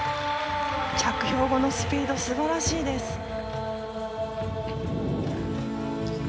着氷後のスピード素晴らしいです。